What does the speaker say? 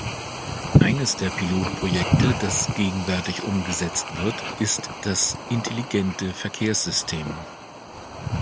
Eines der Pilotprojekte, das gegenwärtig umgesetzt wird, ist das intelligente Verkehrssystem.